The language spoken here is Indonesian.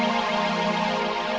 di mana kinga men rusak